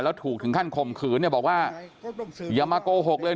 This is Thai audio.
แล้วถูกถึงขั้นข่มขืนเนี่ยบอกว่าอย่ามาโกหกเลย